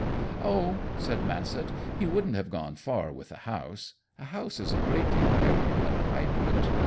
"Oh," said Massett, "he wouldn't have gone far with the house. A house is a great deal heavier than a hydrant.